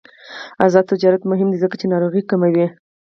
آزاد تجارت مهم دی ځکه چې ناروغۍ کموي.